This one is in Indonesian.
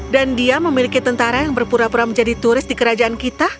dan dia memiliki tentara yang berpura pura menjadi turis di kerajaan kita